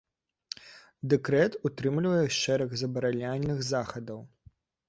Дэкрэт утрымлівае шэраг забараняльных захадаў.